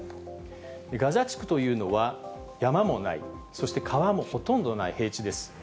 ガザ地区というのは、山もない、そして川もほとんどない平地です。